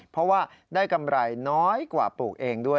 เพราะว่าได้กำไรน้อยกว่าปลูกเองด้วย